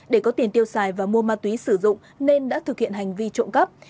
để có tiền tiêu xài và mua ma túy sử dụng nên đã thực hiện hành vi trộm cắp